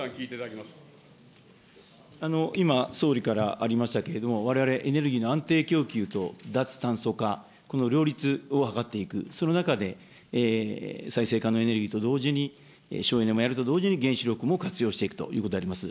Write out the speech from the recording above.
今、総理からありましたけれども、われわれ、エネルギーの安定供給と脱炭素化、この両立を図っていく、その中で再生可能エネルギーと同時に、省エネもやると同時に、原子力も活用していくということであります。